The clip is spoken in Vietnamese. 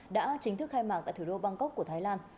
đã chính thức khai mạc tại thủ đô bangkok của thái lan